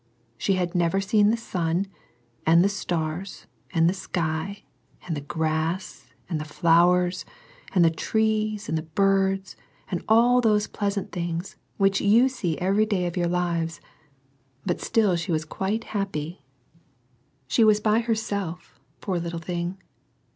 She had never seen the sun, and the stars, and the sky, and the grass, and the flowers, and the trees, and the birds, and all those pleasant things which you see every day of your lives; but still sVve 'was q^\\&\a::^^^ i 1.1 i. I ii J! 1 84 SERMONS FOR CHILDREN. She was by herself, poor little thing.